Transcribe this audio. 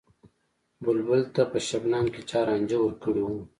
بلبل ته په شبنم کــــې چا رانجه ور کـــړي وو